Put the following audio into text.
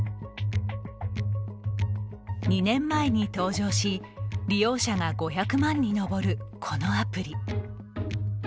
２年前に登場し、利用者が５００万に上る、このアプリ。